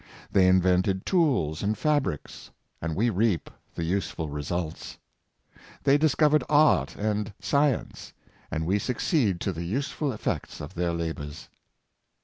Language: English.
They invented tools and fabrics, and we reap the useful results. They discov ered art and science, and we succeed to the useful ef fects of their labors.